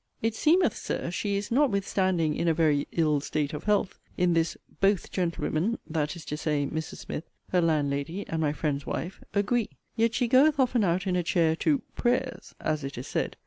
It seemeth, Sir, she is, notwithstanding, in a very 'ill state of health.' In this, 'both' gentlewomen (that is to say, Mrs. Smith, her landlady, and my friend's wife) agree. Yet she goeth often out in a chair, to 'prayers' (as it is said).